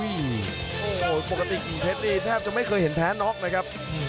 โอ้โหปกติกิ่งเพชรนี่แทบจะไม่เคยเห็นแพ้น็อกนะครับ